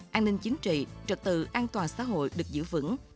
an ninh chính trị trật tự an toàn xã hội được giữ vững